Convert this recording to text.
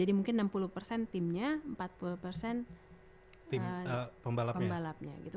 jadi mungkin enam puluh timnya empat puluh pembalapnya gitu